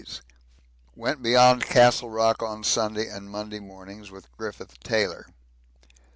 Went beyond Castle Rock on Sunday and Monday mornings with Griffith Taylor.